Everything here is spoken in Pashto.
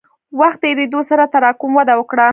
وخت تېرېدو سره تراکم وده وکړه.